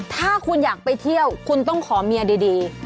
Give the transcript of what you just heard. ถ้าคุณอยากไปเที่ยวคุณต้องขอเมียดี